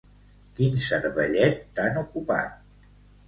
Quin cervellet tan ocupat.